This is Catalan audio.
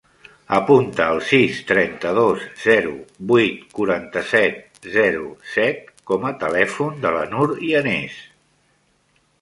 Apunta el sis, trenta-dos, zero, vuit, quaranta-set, zero, set com a telèfon de la Nur Yanez.